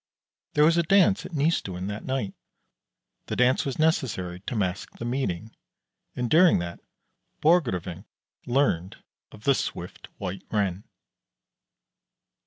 There was a dance at Nystuen that night; the dance was necessary to mask the meeting; and during that Borgrevinck learned of the swift White Ren.